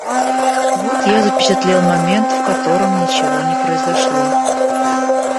Вот я запечатлел момент, в котором ничего не произошло.